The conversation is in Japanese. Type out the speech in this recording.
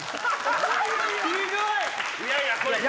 ひどい！